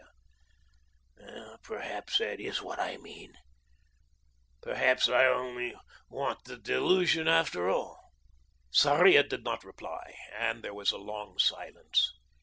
"Perhaps that is what I mean. Perhaps I want only the delusion, after all." Sarria did not reply, and there was a long silence.